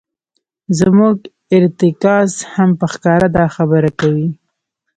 زموږ ارتکاز هم په ښکاره دا خبره کوي.